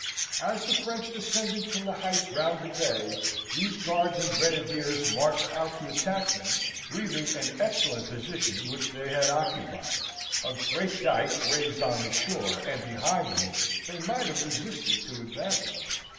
As the French descended from the heights round the bay, these guards and grenadiers marched out to attack them, leaving an excellent position which they had occupied a great dyke raised on the shore, and behind which they might have resisted to advantage.